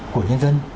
của nhân dân